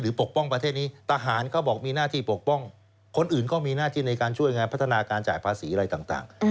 ปกป้องประเทศนี้ทหารเขาบอกมีหน้าที่ปกป้องคนอื่นก็มีหน้าที่ในการช่วยงานพัฒนาการจ่ายภาษีอะไรต่าง